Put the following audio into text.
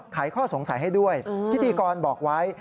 ข้อสงสัยให้ด้วยพิธีกรบอกไว้